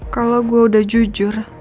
kalau gue udah jujur